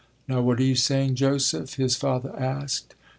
Now what are you saying, Joseph? his father asked.